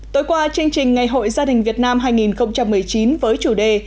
tối qua chương trình ngày hội gia đình việt nam hai nghìn một mươi chín với chủ đề